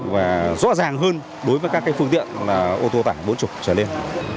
và rõ ràng hơn đối với các cái phương tiện là ô tô tải bốn mươi trở lên